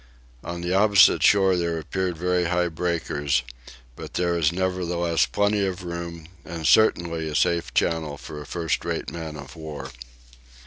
On the opposite shore also appeared very high breakers; but there is nevertheless plenty of room and certainly a safe channel for a first rate man of war.